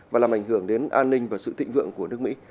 và làm ảnh hưởng đến an ninh và sự thịnh vượng của nước mỹ